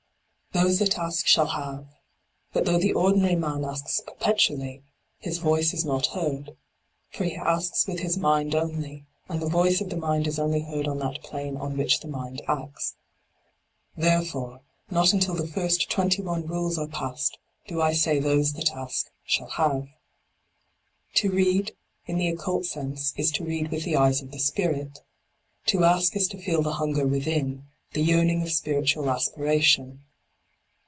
Those that ask shall have. But though the ordinary man asks perpetually, his voice is not heard. For he asks with his mind only; and the voice of the mind is only heard on that plane on which the mind acts. Therefore, not until the first twenty one rules are past do I say those that ask shall have. To read, in the occult sense, is to read with the eyes of the spirit. To ask is to feel the hunger within — the yearning of spiritual aspiration.